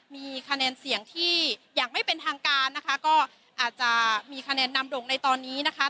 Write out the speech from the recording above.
มีคะแนนเสียงที่อย่างไม่เป็นทางการนะคะก็อาจจะมีคะแนนนำโด่งในตอนนี้นะคะ